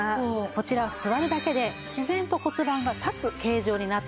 こちらは座るだけで自然と骨盤が立つ形状になっているんですね。